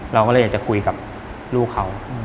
เราก็เลยอยากจะคุยกับลูกเขา